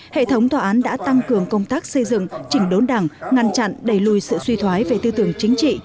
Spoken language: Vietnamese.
hệ thống tòa án đã tăng cường công tác xây dựng chỉnh đốn đảng ngăn chặn đẩy lùi sự suy thoái về tư tưởng chính trị